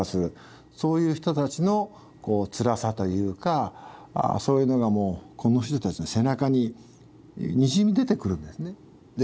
そういう人たちのこうつらさというかそういうのがもうこの人たちの背中ににじみ出てくるんですね。